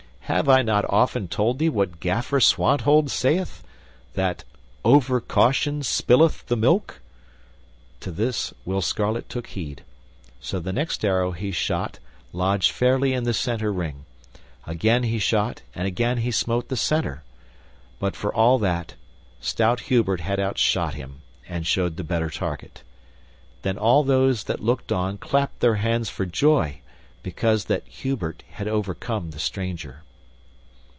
Have I not often told thee what Gaffer Swanthold sayeth, that 'overcaution spilleth the milk'?" To this Will Scarlet took heed, so the next arrow he shot lodged fairly in the center ring; again he shot, and again he smote the center; but, for all that, stout Hubert had outshot him, and showed the better target. Then all those that looked on clapped their hands for joy because that Hubert had overcome the stranger.